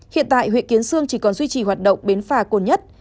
hiện tại huyện kiến sương chỉ còn duy trì hoạt động biến phà cồn nhất